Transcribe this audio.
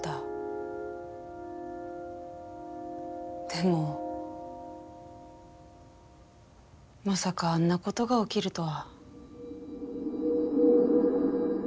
でもまさかあんなことが起きるとは。